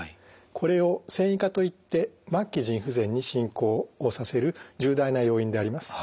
これを線維化といって末期腎不全に進行をさせる重大な要因であります。